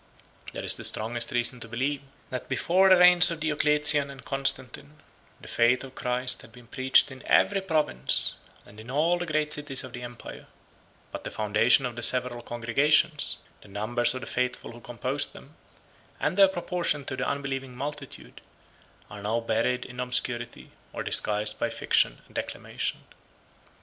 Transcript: There is the strongest reason to believe, that before the reigns of Diocletian and Constantine, the faith of Christ had been preached in every province, and in all the great cities of the empire; but the foundation of the several congregations, the numbers of the faithful who composed them, and their proportion to the unbelieving multitude, are now buried in obscurity, or disguised by fiction and declamation.